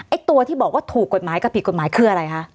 ตัวที่บอกว่าถูกกฎหมายกับผิดกฎหมายคืออะไรคะ